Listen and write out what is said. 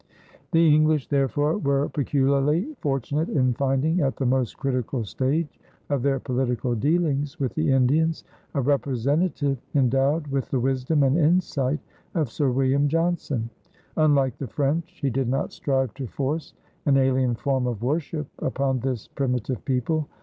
The English therefore were peculiarly fortunate in finding at the most critical stage of their political dealings with the Indians a representative endowed with the wisdom and insight of Sir William Johnson. Unlike the French, he did not strive to force an alien form of worship upon this primitive people.